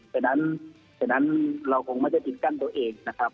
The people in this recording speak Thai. เพราะฉะนั้นเราคงไม่ได้กลิ่นกั้นตัวเองนะครับ